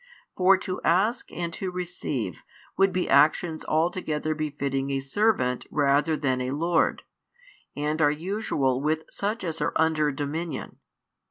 For to ask and to receive would be actions altogether befitting a servant rather than a lord, and are usual with such as are under dominion.